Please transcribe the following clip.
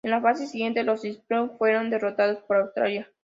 En la fase siguiente, los Springboks fueron derrotados por Australia.